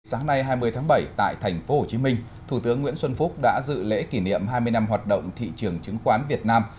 sáng nay hai mươi tháng bảy tại tp hcm thủ tướng nguyễn xuân phúc đã dự lễ kỷ niệm hai mươi năm hoạt động thị trường chứng khoán việt nam